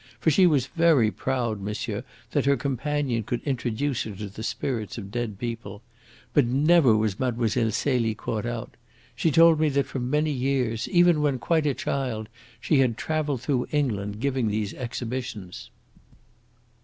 For she was very proud, monsieur, that her companion could introduce her to the spirits of dead people. But never was Mlle. Celie caught out. She told me that for many years, even when quite a child, she had travelled through England giving these exhibitions."